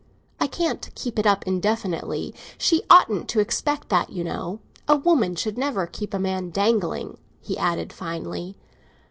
I can't keep it up indefinitely; she oughtn't to expect that, you know. A woman should never keep a man dangling!" he added finely.